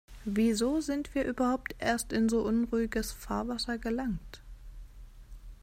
Wieso sind wir überhaupt erst in so unruhiges Fahrwasser gelangt?